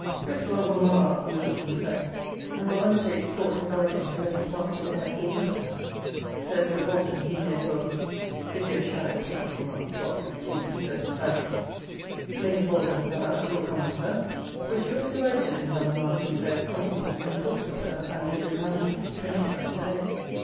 Pris. will Mamma up Mrs. Sinclair, and will undertake to court her guardian to let her pass a delightful week with her Sir Edward Holden he may as well be, if your shallow pates will not be clogged with too many circumstantials. Lady Holden, perhaps, will come with her; for she always delighted in her Mamma Sinclair's company, and talks of her, and her good management, twenty times a day.